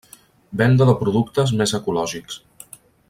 Venda de productes més ecològics.